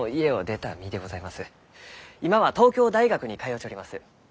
今は東京大学に通うちょります。